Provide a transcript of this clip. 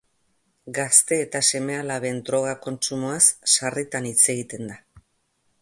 Gazte eta seme-alaben droga kontsumoaz sarritan hitz egiten da.